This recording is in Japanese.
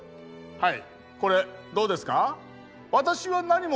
はい。